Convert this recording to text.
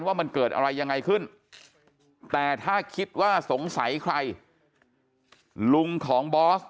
ว่ามันเกิดอะไรยังไงขึ้นแต่ถ้าคิดว่าสงสัยใครลุงของบอส